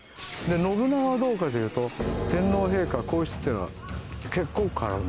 信長はどうかというと天皇陛下皇室っていうのは結構軽んじていた。